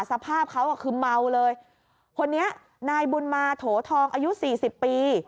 สภาพเขาอ่ะคือเมาเลยคนนี้นายบุญมาโถทองอายุสี่สิบปี